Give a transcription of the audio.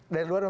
dari luar dulu